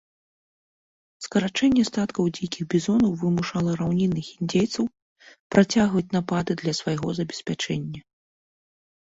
Скарачэнне статкаў дзікіх бізонаў вымушала раўнінных індзейцаў працягваць напады для свайго забеспячэння.